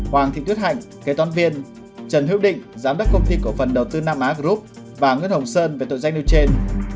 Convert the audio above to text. hoàng thị tuyết hạnh kế toán viên trần hữu định giám đốc công ty cổ phần đầu tư nam á group và nguyễn hồng sơn về tội danh nêu trên